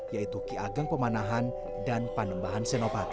yaitu ki ageng pemanahan dan panembahan senopati